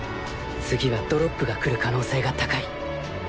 次はドロップが来る可能性が高い